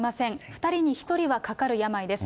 ２人に１人はかかる病です。